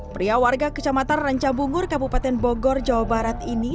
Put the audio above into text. pria warga kecamatan ranca bungur kabupaten bogor jawa barat ini